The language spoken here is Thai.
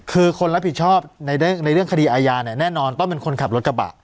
คือคนรับผิดชอบในเรื่องคดีอาญาเนี่ยแน่นอนต้องเป็นคนขับรถกระบะ